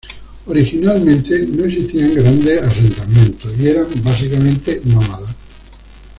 Originalmente no existían grandes asentamientos y eran básicamente nómadas.